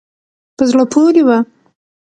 په زړه پورې وه.